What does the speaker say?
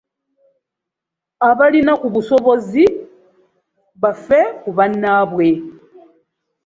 Abalina ku busobozi bafe ku bannaabwe.